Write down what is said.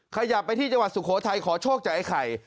ขยับไปที่จังหวัดสุโขทัยขอโชคจากไอ้ไข่